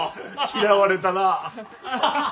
嫌われたな。